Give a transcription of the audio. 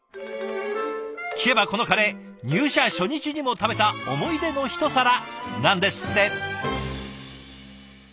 聞けばこのカレー入社初日にも食べた思い出のひと皿なんですって！